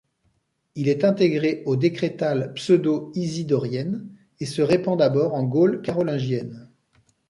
Il est intégré aux Décrétales pseudo-isidoriennes et se répand d'abord en Gaule carolingienne.